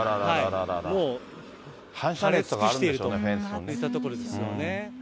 もう、枯れ尽くしているといったところですよね。